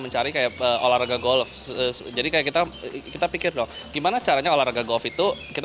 mencari kayak olahraga golf jadi kayak kita kita pikir dong gimana caranya olahraga golf itu kita